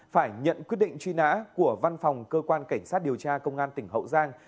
phải nhận quyết định truy nã của văn phòng cơ quan cảnh sát điều tra công an tỉnh hậu giang